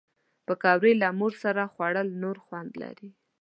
پکورې له مور سره خوړل نور خوند لري